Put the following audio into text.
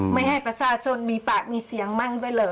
ไม่ให้ประชาชนมีปากมีเสียงมั่นด้วยเหรอ